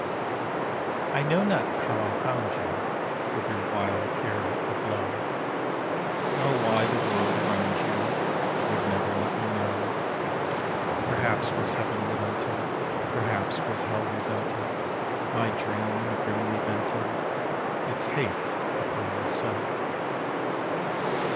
_] I know not how I found you With your wild hair a blow, Nor why the world around you Would never let me know: Perhaps 't was Heaven relented, Perhaps 't was Hell resented My dream, and grimly vented Its hate upon me so.